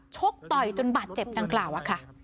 ชกต่อยจนบาดเจ็บดังกล่าวค่ะ